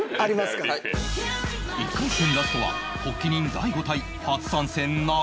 １回戦ラストは発起人大悟対初参戦中岡